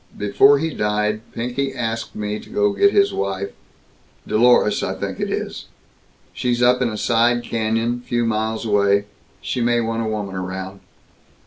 Before he died, Pinky asked me to go get his wife Dolores, I think it is. She's up in a side canyon, few miles away. She may want a woman around.